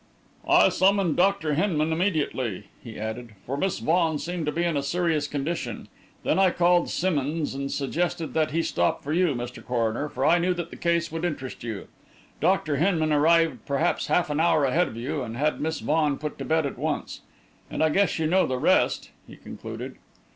"I summoned Dr. Hinman immediately," he added, "for Miss Vaughan seemed to be in a serious condition; then I called Simmonds, and suggested that he stop for you, Mr. Coroner, for I knew that the case would interest you. Dr. Hinman arrived perhaps half an hour ahead of you, and had Miss Vaughan put to bed at once. And I guess you know the rest," he concluded.